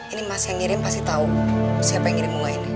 ini mas yang ngirim pasti tahu siapa yang ngirim bunga ini